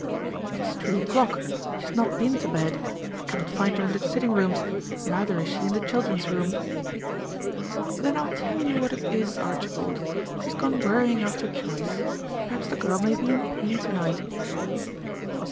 "It is three o'clock. She had not been to bed. I cannot find her in the sitting rooms; neither is she in the children's room." "Then I'll tell you what it is, Archibald; she's gone worrying after Joyce. Perhaps the girl may be in pain to night." Mr.